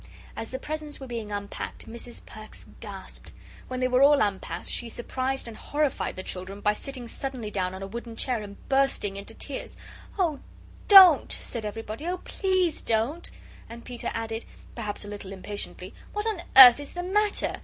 As the presents were being unpacked, Mrs. Perks gasped. When they were all unpacked, she surprised and horrified the children by sitting suddenly down on a wooden chair and bursting into tears. "Oh, don't!" said everybody; "oh, please don't!" And Peter added, perhaps a little impatiently: "What on earth is the matter?